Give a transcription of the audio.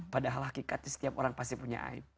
padahal hakikatnya setiap orang pasti punya aib